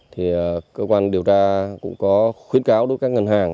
thì cơ quan điều tra cũng có khuyến cáo đối với các ngân hàng